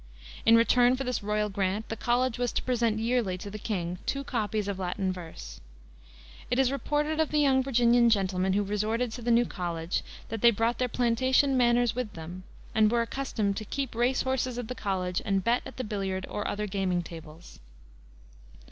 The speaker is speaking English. In return for this royal grant the college was to present yearly to the king two copies of Latin verse. It is reported of the young Virginian gentlemen who resorted to the new college that they brought their plantation manners with them, and were accustomed to "keep race horses at the college, and bet at the billiard or other gaming tables."